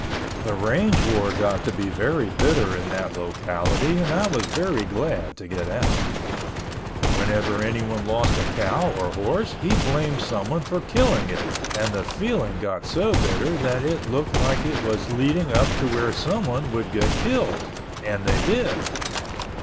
The range war got to be very bitter in that locality and I was very glad to get out. Whenever anyone lost a cow or horse, he blamed someone for killing it and the feeling got so bitter that it looked like it was leading up to where someone would get killed, and they did.